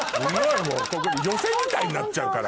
寄席みたいになっちゃうから。